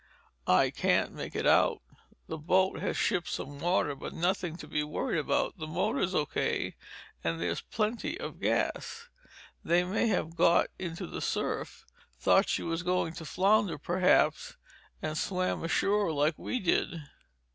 "I can't make it out. The boat has shipped some water, but nothing to be worried about. The motor's O.K. and there's plenty of gas. They may have got into the surf, thought she was going to founder, perhaps, and swam ashore like we did."